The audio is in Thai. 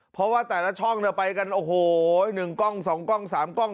เพราะว่าแต่ละช่องไปกันโอ้โห๑กล้อง๒กล้อง๓กล้อง